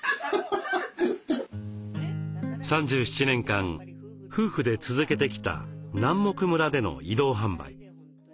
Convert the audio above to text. ３７年間夫婦で続けてきた南牧村での移動販売。